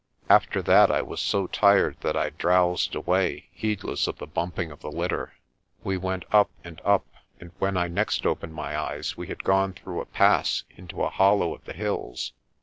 After that I was so tired that I drowsed away, heedless of the bumping of the litter. We went up and up, and when I next opened my eyes we had gone through a pass into a hollow of the hills.